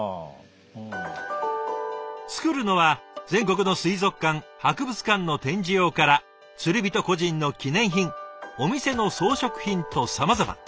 作るのは全国の水族館博物館の展示用から釣り人個人の記念品お店の装飾品とさまざま。